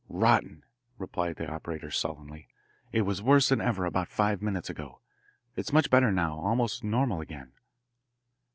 "Rotten," replied the operator sullenly. "It was worse than ever about five minutes ago. It's much better now, almost normal again."